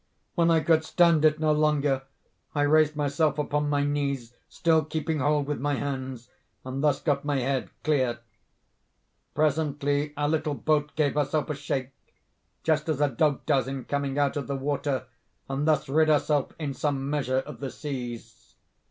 When I could stand it no longer I raised myself upon my knees, still keeping hold with my hands, and thus got my head clear. Presently our little boat gave herself a shake, just as a dog does in coming out of the water, and thus rid herself, in some measure, of the seas.